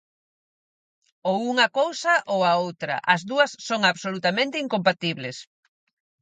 Ou unha cousa ou a outra, as dúas son absolutamente incompatibles.